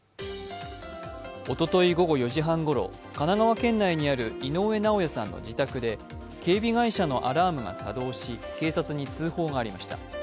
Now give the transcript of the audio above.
おおとい午後４時半ごろ、神奈川県内にある井上尚弥さんの自宅で警備会社のアラームが作動し、警察に通報がありました。